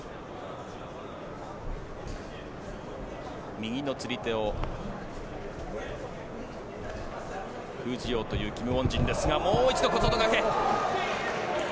右の釣り手を封じようというキム・ウォンジンですがもう一度、小外掛け。